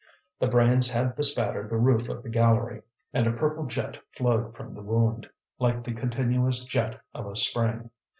The brains had bespattered the roof of the gallery, and a purple jet flowed from the wound, like the continuous jet of a spring.